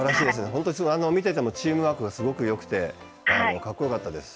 本当に見ていてもチームワークがすごくよくて格好よかったです。